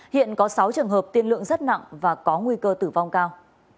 hiện có sáu trường hợp tiên lượng rất nặng và có nguy cơ tử vong cao